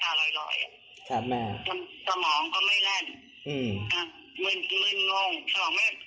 คือเลยทำให้เราบางทีตาลอยแม่ตาลอยสมองก็ไม่เล่น